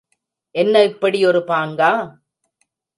என்ன இப்படி ஒரு பாங்கா?